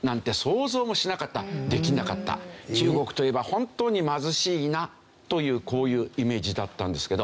中国といえば本当に貧しいなというこういうイメージだったんですけど。